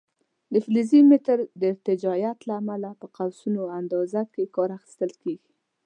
د فلزي متر د ارتجاعیت له امله په قوسونو اندازه کې کار اخیستل کېږي.